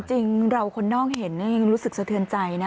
จริงเราคนนอกเห็นยังรู้สึกสะเทือนใจนะ